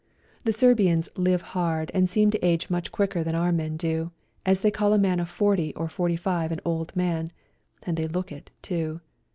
The Serbians hve hard and seem to age much quicker than our men do, as they call a man of forty or forty five an old man, and they look it, too.